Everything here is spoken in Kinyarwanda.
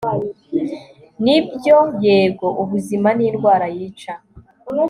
nibyo, yego. ubuzima ni indwara yica